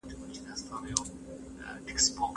او سپکاوي شواهد تر اوسه هم په رسنیو کي لیدل